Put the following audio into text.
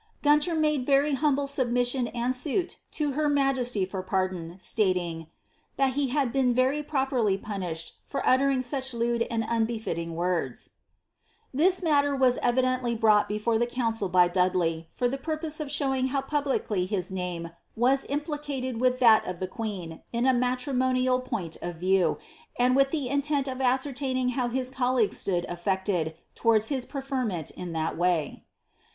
* "Ountor made very humble submission and suit to her mnjrsty for pardon,* stating, * that he had been very properly punished for uttering such lewd and unbefitting words/ "' This matter was evidently brought before the council by Dudley, for the purpose of showing how publicly his name was implicated with that of the queen, in a matrimonial point of view, and with the intent of ascertaining how his colleagues stood affected towards his preferment in that way.